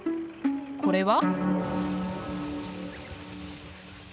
これは？